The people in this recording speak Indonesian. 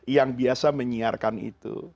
yang biasa menyiarkan itu